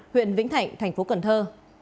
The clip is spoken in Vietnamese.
huyện vĩnh thạnh thành phố cần thơ